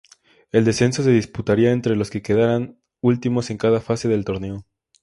El descenso se disputaría entre los que quedaran últimos en cada fase del torneo.